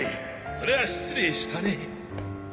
それは失礼したね。